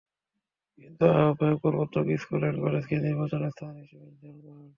কিন্তু আহ্বায়ক প্রবর্তক স্কুল অ্যান্ড কলেজকে নির্বাচনের স্থান হিসেবে নির্ধারণ করেন।